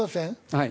はい。